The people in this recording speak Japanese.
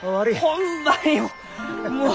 ホンマにもう。